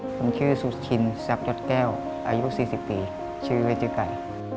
ผมชื่อซุชินซับยอดแก้วอายุสี่สิบปีชื่อเวจิกัย